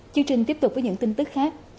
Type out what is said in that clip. chương trình tiếp tục với những tin tức khác